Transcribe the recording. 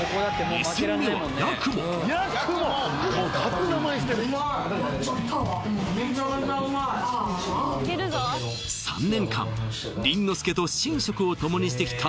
２戦目はやくも３年間りんのすけと寝食を共にしてきた